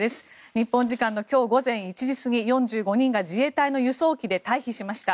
日本時間の今日午前１時過ぎ４５人が自衛隊の輸送機で退避しました。